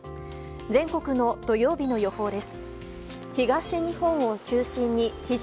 全国の土曜日の予報です。